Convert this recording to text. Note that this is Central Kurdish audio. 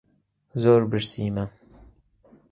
زۆر برسیمە.